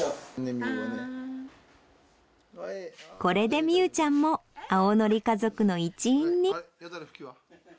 これでみゆちゃんも青のり家族の一員に。